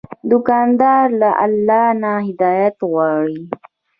دوکاندار له الله نه هدایت غواړي.